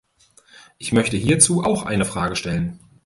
Ich möchte hierzu auch eine Frage stellen.